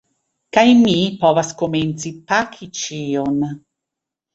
Kaj mi povas komeci paki ĉion.